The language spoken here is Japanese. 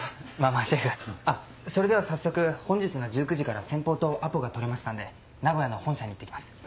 まぁまぁシェフそれでは早速本日の１９時から先方とアポが取れましたんで名古屋の本社に行って来ます。